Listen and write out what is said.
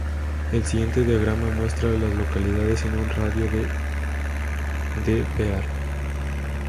El siguiente diagrama muestra a las localidades en un radio de de Pearl.